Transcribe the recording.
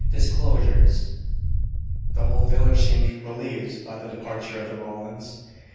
DISCLOSURES. The whole village seemed relieved by the departure of the Rowlands.